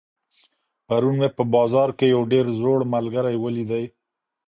پرون مي په بازار کي یو ډېر زوړ ملګری ولیدی.